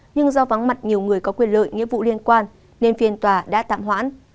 nhưng do vắng mặt nhiều người có quyền lợi nghĩa vụ liên quan nên phiên tòa đã tạm hoãn